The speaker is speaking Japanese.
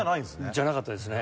じゃなかったですね。